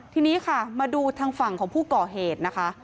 ทีนี้ค่ะมาดูทางฝั่งของผู้ก่อเหตุนะคะ